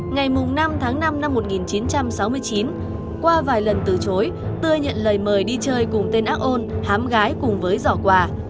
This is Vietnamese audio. ngày năm tháng năm năm một nghìn chín trăm sáu mươi chín qua vài lần từ chối tươi nhận lời mời đi chơi cùng tên ác ôn hám gái cùng với giỏ quà